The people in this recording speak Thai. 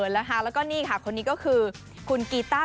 แล้วก็นี่ค่ะคนนี้ก็คือคุณกีต้า